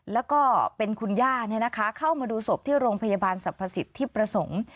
แล้วก็เป็นคุณย่าเข้ามาดูศพที่โรงพยาบาลสรรพสิทธิประสงค์